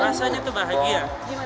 rasanya tuh bahagia